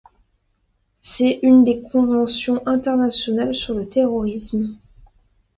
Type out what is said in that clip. C'est une des conventions internationales sur le terrorisme.